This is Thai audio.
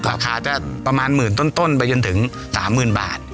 ราคาจะประมาณหมื่นต้นไปจนถึง๓๐๐๐บาท